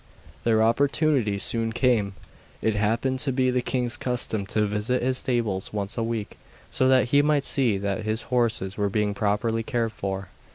Their opportunity soon came. It happened to be the king's custom to visit his stables once a week, so that he might see that his horses were being properly cared for.